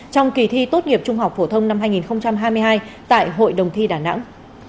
trong kỳ thi tốt nghiệp trung học phổ thông năm hai nghìn hai mươi hai tại hội đồng thi đà nẵng